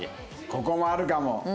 ここもあるかも。